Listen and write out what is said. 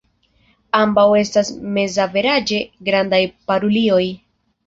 Ambaŭ estas mezaveraĝe grandaj parulioj.